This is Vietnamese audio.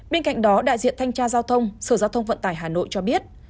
bên cạnh đó đại diện thanh tra giao thông sở giao thông vận tải hà nội cho biết